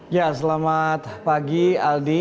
ya selamat pagi aldi